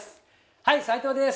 はい斉藤です！